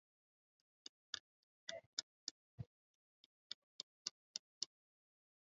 Wasubi hupatikana katika wilaya ya Biharamulo